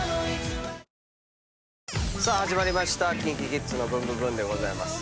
さあ始まりました『ＫｉｎＫｉＫｉｄｓのブンブブーン！』です。